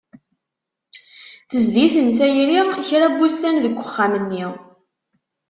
Tezdi-ten tayri kra n wussan deg uxxam-nni.